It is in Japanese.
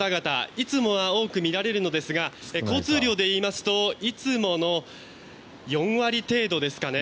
いつもは多く見られるのですが交通量で言いますといつもの４割程度ですかね。